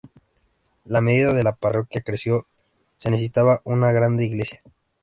A medida que la parroquia creció se necesitaba una iglesia más grande.